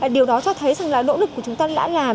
điều đó cho thấy rằng là nỗ lực của chúng ta đã làm